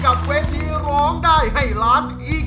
เข้าพื้นหน้าเป็นที่